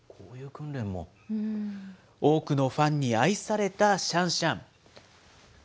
多くのファンに愛されたシャンシャン。